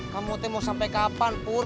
kamu mau sampai kapan pur